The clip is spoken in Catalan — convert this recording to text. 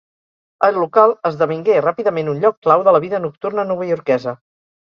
El local esdevingué ràpidament un lloc clau de la vida nocturna novaiorquesa.